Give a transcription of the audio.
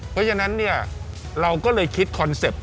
เพราะฉะนั้นเนี่ยเราก็เลยคิดคอนเซ็ปต์